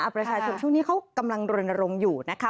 ประชาชนช่วงนี้เขากำลังรณรงค์อยู่นะคะ